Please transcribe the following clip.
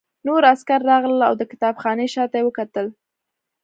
نور عسکر راغلل او د کتابخانې شاته یې وکتل